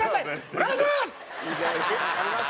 お願いします！